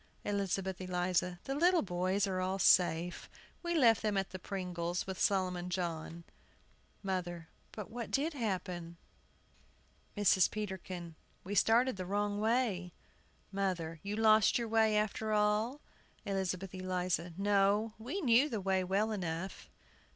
ELIZABETH ELIZA. The little boys are all safe. We left them at the Pringles', with Solomon John. MOTHER. But what did happen? MRS. PETERKIN. We started the wrong way. MOTHER. You lost your way, after all? ELIZABETH ELIZA. No; we knew the way well enough.